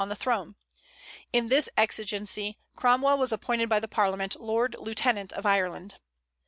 on the throne. In this exigency Cromwell was appointed by the Parliament Lord Lieutenant of Ireland.